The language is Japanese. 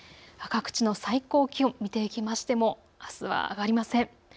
各地の最高気温、見ていきましてもあすは上がりません。